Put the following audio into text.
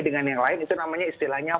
dengan yang lain itu namanya istilahnya